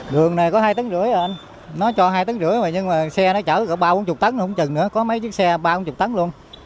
đường này có hai tấn rưỡi anh nó cho hai tấn rưỡi mà nhưng mà xe nó chở cả ba bốn mươi tấn không chừng nữa có mấy chiếc xe ba bốn mươi tấn luôn